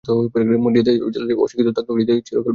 মারিয়া de Jesus অশিক্ষিত থাকলেও চিরকাল বেঁচে থাকবেন।